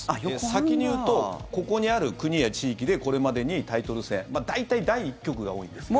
先に言うとここにある国や地域でこれまでにタイトル戦大体第１局が多いんですけど。